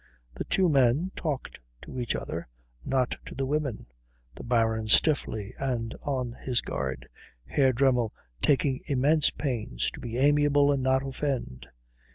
The two men talked to each other, not to the women, the Baron stiffly and on his guard, Herr Dremmel taking immense pains to be amiable and not offend.